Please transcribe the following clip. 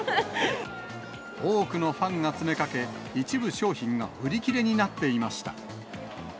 多くのファンが詰めかけ、一部商品が売り切れになっていました。